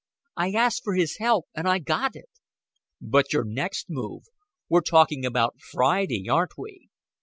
I asked for his help, and I got it." "But your next move! We're talking about Friday, aren't we?